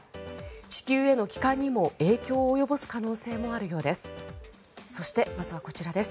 地球への帰還にも影響を及ぼす可能性もあるようです。